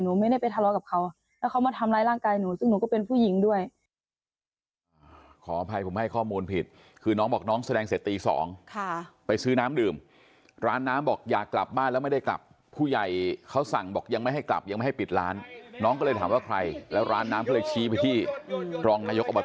หนูไม่ได้ไปทะเลาะกับเขาแล้วเขามาทำร้ายร่างกายหนู